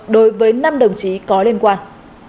đối với năm đồng chí có liên quan